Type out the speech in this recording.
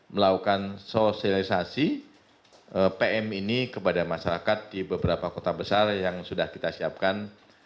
melakukan sosialisasi pm ini kepada masyarakat di beberapa kota besar yang sudah kita siapkan